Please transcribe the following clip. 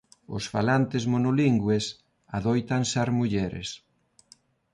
Os falantes monolingües adoitan ser mulleres.